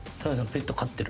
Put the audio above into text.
ペット飼ってる？